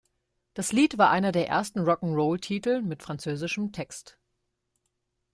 Das Lied war einer der ersten Rock-’n’-Roll-Titel mit französischem Text.